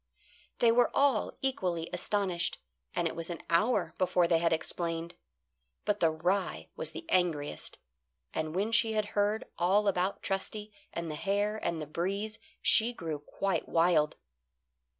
They were all equally astonished, and it was an hour before they had explained. But the rye was the angriest, and when she had heard all about Trusty and the hare and the breeze she grew quite wild.